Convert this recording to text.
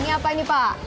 ini apa pak